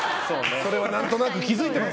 それは何となく気づいてます